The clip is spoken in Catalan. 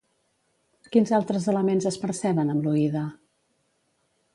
Quins altres elements es perceben amb l'oïda?